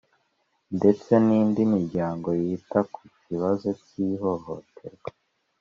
Ndetse n’indi miryango yita ku kibazocy’ihohoterwa